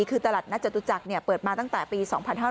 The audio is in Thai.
คือตลาดนัดจตุจักรเปิดมาตั้งแต่ปี๒๕๕๙